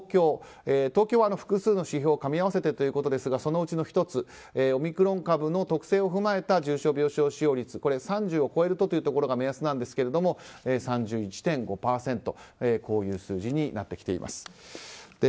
東京は複数の指標を組み合わせてということですがそのうちの１つオミクロン株の特性を踏まえた重症病床使用率が３０を超えるとというところが目安なんですけども３１．５％という数字になってきています。